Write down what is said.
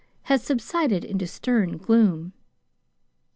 had subsided into stern gloom.